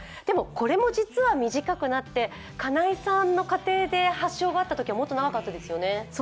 でも、これも実は短くなって金井さんの家庭で発症があったときはもっと長かったですよね？